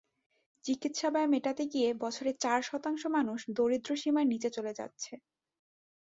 চিকিৎসা ব্যয় মেটাতে গিয়ে বছরে চার শতাংশ মানুষ দারিদ্র্যসীমার নিচে চলে যাচ্ছে।